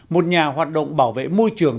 một nhà hoạt động bảo vệ môi trường